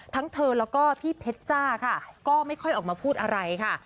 ทั้งเธอแล้วก็พี่เพชรจ้าค่ะก็ไม่ค่อยออกมาพูดอะไรค่ะ